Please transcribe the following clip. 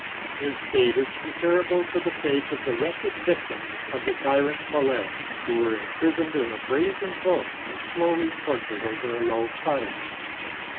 His fate is comparable to the fate i8 of the wretched victims of the tyrant Phalaris, who were imprisoned in a brazen bull, and slowly tortured over a low fire.